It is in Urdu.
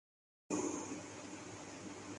در حال حاضر مشکلات ایمیلی دارم